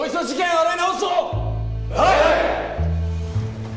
はい！